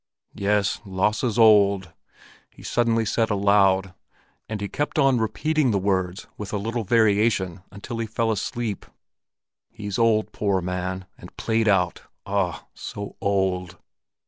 "Yes, Lasse's old!" he suddenly said aloud, and he kept on repeating the words with a little variation until he fell asleep: "He's old, poor man—and played out! Ah, so old!"